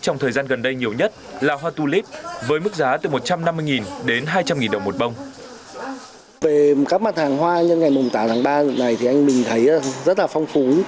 trong thời gian gần đây nhiều nhất là hoa tulip với mức giá từ một trăm năm mươi đến hai trăm linh đồng một bông